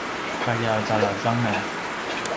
kalja zalangzangan